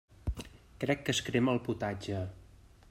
Crec que es crema el potatge.